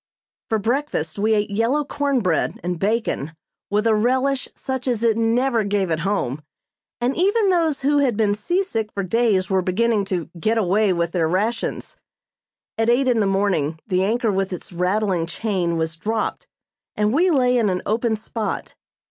For breakfast we ate yellow corn bread and bacon with a relish such as it never gave at home, and even those who had been seasick for days were beginning to "get away" with their rations. At eight in the morning the anchor with its rattling chain was dropped and we lay in an open spot.